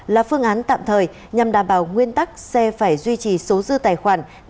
là phương án tạm thời nhằm đảm bảo nguyên tắc xe phải duy trì số dư tài khoản